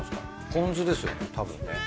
ポン酢ですよねたぶんね。